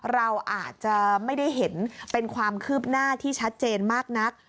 เราอาจจะไม่ได้เห็นเป็นความคืบหน้าที่ชัดเจนมากนัก